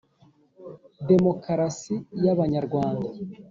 demokarasi y’abanyarwanda